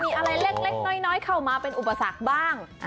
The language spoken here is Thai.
มีอะไรเล็กน้อยเข้ามาเป็นอุปสรรคบ้าง